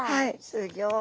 すギョい。